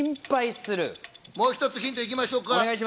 もう一つ、ヒント行きましょか。